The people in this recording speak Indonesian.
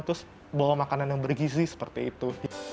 terus bawa makanan yang bergizi seperti itu